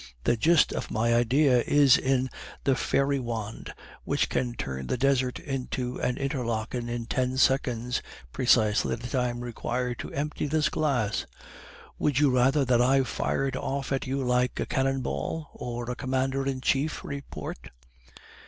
The gist of my idea is in the fairy wand which can turn the Desert into an Interlaken in ten seconds (precisely the time required to empty this glass). Would you rather that I fired off at you like a cannon ball, or a commander in chief's report?